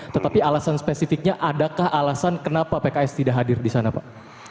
tetapi alasan spesifiknya adakah alasan kenapa pks tidak hadir di sana pak